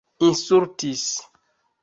insultis